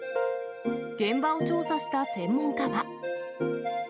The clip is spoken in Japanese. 現場を調査した専門家は。